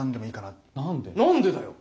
何でだよ！